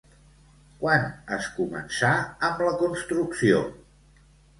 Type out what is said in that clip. Quan es començà amb la construcció?